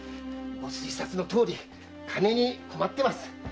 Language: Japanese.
ご推察のとおり金に困ってます。